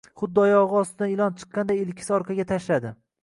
Xuddi oyog‘i ostidan ilon chiqqanday ilkis orqaga tashladi.